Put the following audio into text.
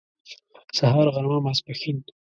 سهار غرمه ماسپښين